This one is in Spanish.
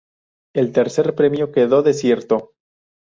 El tercer premio quedó desierto.